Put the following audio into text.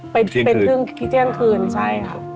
เป็นเที่ยงคืนใช่ค่ะ